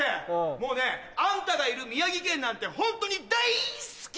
もうねあんたがいる宮城県なんてホントに大好き！